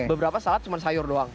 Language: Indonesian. beberapa salad cuma sayur doang